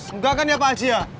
enggak kan ya pak ajiah